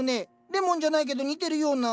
レモンじゃないけど似てるような。